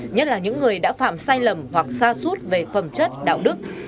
nhất là những người đã phạm sai lầm hoặc xa suốt về phẩm chất đạo đức